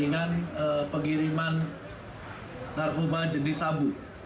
ini saya mengirim pergiriman narkoba jenis sabu